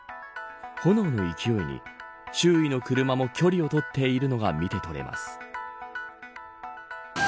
炎の勢いに周囲の車も距離を取っているのが見て取れます。